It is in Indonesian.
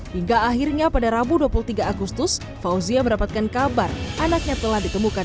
hingga akhirnya pada rabu dua puluh tiga agustus fauzia mendapatkan kabar anaknya telah ditemukan